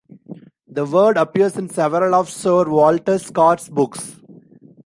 The word appears in several of Sir Walter Scott's books.